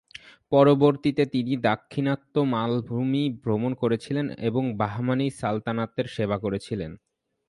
পরবর্তীতে তিনি দাক্ষিণাত্য মালভূমি ভ্রমণ করেছিলেন এবং বাহমানি সালতানাতের সেবা করেছিলেন।